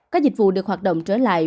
các dịch vụ được hoạt động trở lại